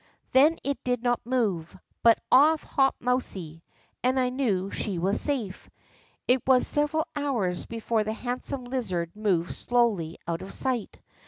Then it did not move, but off hopped mousie, and I knew that she was safe. It was several hours before the handsome lizard moved slowly out of sight.